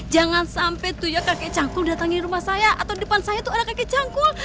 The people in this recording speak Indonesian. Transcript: jangan sampai tuh ya kakek cangkul datangi rumah saya atau depan saya tuh ada kakek cangkul